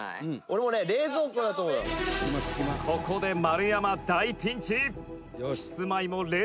「ここで丸山、大ピンチ！」